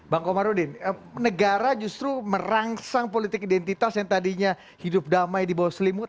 bang komarudin negara justru merangsang politik identitas yang tadinya hidup damai di bawah selimut